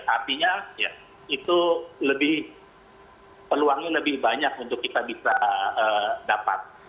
artinya itu lebih peluangnya lebih banyak untuk kita bisa dapat